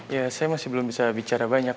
ya saya masih belum bisa bicara banyak